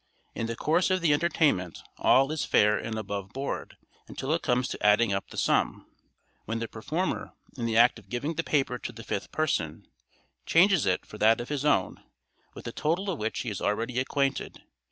In the course of the entertainment all is fair and above board until it comes to adding up the sum, when the performer, in the act of giving the paper to the fifth person, changes it for that of his own, with the total of which he is already acquainted.